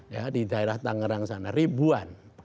ya di daerah tangerang sana ribuan